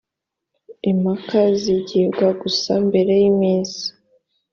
impaka zigibwa gusa mbere y’iminsi